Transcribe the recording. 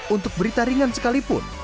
untuk berita ringan sekalipun